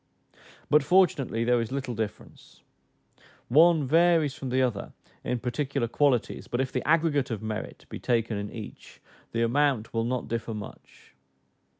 But fortunately there is little difference: one varies from the other in particular qualities; but if the aggregate of merit be taken in each, the amount will not differ much.